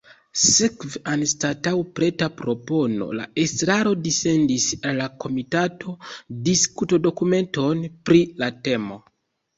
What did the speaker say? Sekve anstataŭ preta propono la estraro dissendis al la komitato "diskutdokumenton" pri la temo.